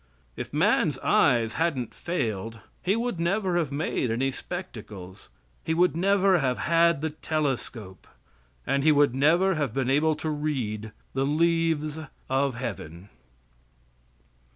If man's eyes hadn't failed he would never have made any spectacles, he would never have had the telescope, and he would never have been able to read the leaves of Heaven.